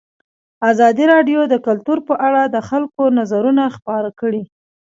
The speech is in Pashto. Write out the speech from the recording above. ازادي راډیو د کلتور په اړه د خلکو نظرونه خپاره کړي.